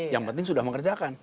yang penting sudah mengerjakan